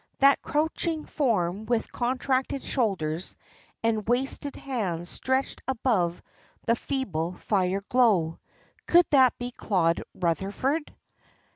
That crouching form with contracted shoulders, and wasted hands stretched above the feeble fire glow could that be Claude Rutherford?